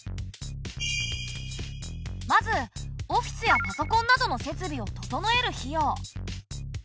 まずオフィスやパソコンなどの設備を整える費用。